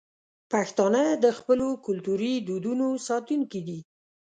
پښتانه د خپلو کلتوري دودونو ساتونکي دي.